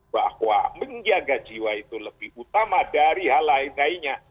bahwa menjaga jiwa itu lebih utama dari hal lain lainnya